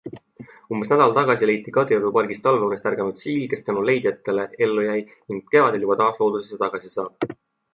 Umbes nädal tagasi leiti Kadrioru pargist talveunest ärganud siil, kes tänu leidjatele ellu jäi ning kevadel juba taas loodusesse tagasi saab.